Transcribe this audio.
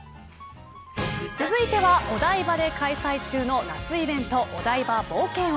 続いてはお台場で開催中の夏イベントお台場冒険王。